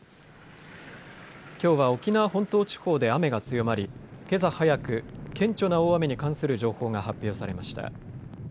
きょうは沖縄本島地方で雨が強まりけさ早く顕著な大雨に関する情報が発表されました。